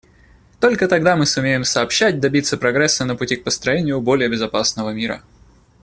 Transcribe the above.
Только тогда мы сумеем сообща добиться прогресса на пути к построению более безопасного мира.